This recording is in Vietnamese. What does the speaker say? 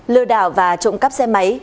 lừa đảo và trộm cắp xe máy